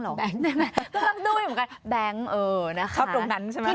ต้องดูอยู่เหมือนกันแดงเออนะคะ